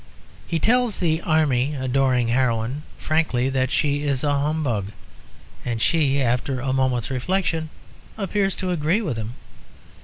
He tells the army adoring heroine frankly that she is a humbug; and she, after a moment's reflection, appears to agree with him.